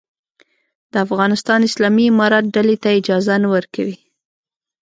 د افغانستان اسلامي امارت ډلې ته اجازه نه ورکوي.